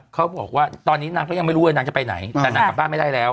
เขาบอกว่าตอนนี้นางก็ยังไม่รู้ว่านางจะไปไหนแต่นางกลับบ้านไม่ได้แล้ว